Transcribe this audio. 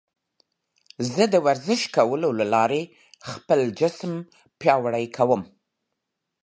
زه د ورزش کولو له لارې خپل جسم پیاوړی کوم.